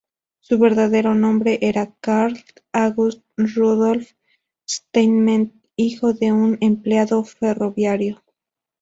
Su verdadero nombre era Karl August Rudolf Steinmetz, hijo de un empleado ferroviario.